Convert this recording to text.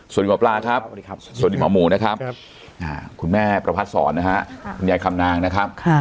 สวัสดีหมอปลาครับสวัสดีหมอหมูนะครับคุณแม่ประพัติศรนะครับคุณยายคำนางนะครับ